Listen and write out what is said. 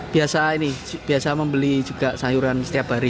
biasa ini biasa membeli juga sayuran setiap hari